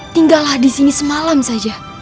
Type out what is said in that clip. tinggallah disini semalam saja